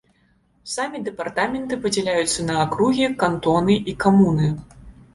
Самі дэпартаменты падзяляюцца на акругі, кантоны і камуны.